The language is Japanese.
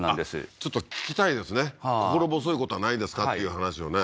ちょっと聞きたいですね心細いことはないですか？っていう話をね